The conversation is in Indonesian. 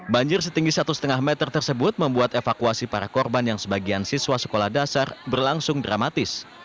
banjir setinggi satu lima meter tersebut membuat evakuasi para korban yang sebagian siswa sekolah dasar berlangsung dramatis